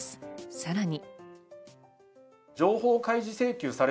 さらに。